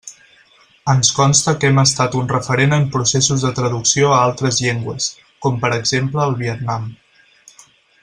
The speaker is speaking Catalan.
Ens consta que hem estat un referent en processos de traducció a altres llengües, com per exemple al Vietnam.